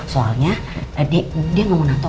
soalnya dia gak mau nato